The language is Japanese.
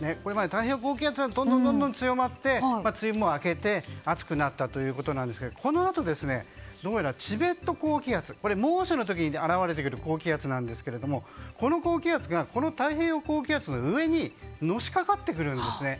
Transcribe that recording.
太平洋高気圧がどんどんと強まって梅雨も明けて暑くなったということですがこのあとどうやらチベット高気圧猛暑の時に現れてくる高気圧ですがこの高気圧が太平洋高気圧の上にのしかかってくるんですね。